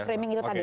framing itu tadi